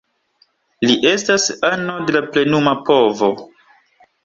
Li estas ano de la plenuma povo.